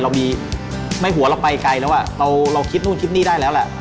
เรามีไม่หัวเราไปไกลแล้วอ่ะเราคิดนู่นคิดนี่ได้แล้วแหละ